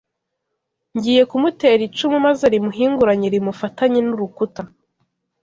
ngiye kumutera icumu maze rimuhinguranye rimufatanye n’urukuta